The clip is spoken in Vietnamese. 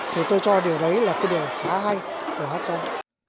thì tôi cho điều đấy là cái điều khá hay của hát xoan